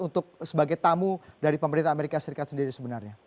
untuk sebagai tamu dari pemerintah amerika serikat sendiri sebenarnya